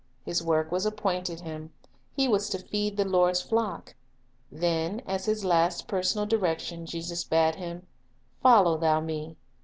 His work was appointed him; he was to feed the Lord's flock. Then, as His last personal direction, Jesus bade him, "Follow thou Me."